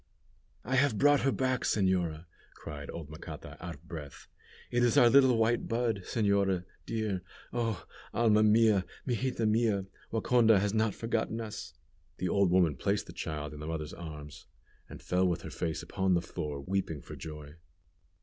"I have brought her back, señora," cried old Macata, out of breath. "It is our little white bud, señora, dear! Oh! Alma mia! Mijita mia, Waconda has not forgotten us!" The old woman placed the child in the mother's arms, and fell with her face upon the floor, weeping for joy.